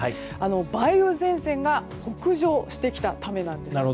梅雨前線が北上してきたためなんです。